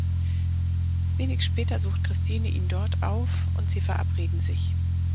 Wenig später sucht Christine ihn dort auf, und sie verabreden sich.